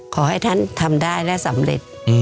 ขอให้ท่านทำได้และสำเร็จ